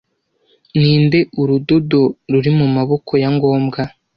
ninde urudodo ruri mumaboko ya ngombwa